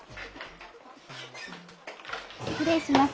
失礼します。